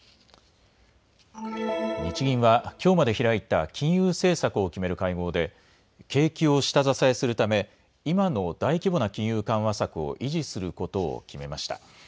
日銀はきょうまで開いた金融政策を決める会合で景気を下支えするため今の大規模な金融緩和策を維持することを決めました。